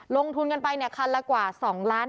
ลงทุนเงินไปเนี่ยคันละกว่าสองล้าน